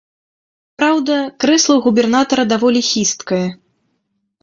Праўда, крэсла ў губернатара даволі хісткае.